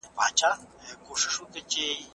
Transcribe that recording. حقایق باید د ایډیالوژۍ په تیاره کي پټ نه سي.